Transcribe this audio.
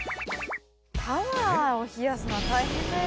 タワーを冷やすのは大変だよ。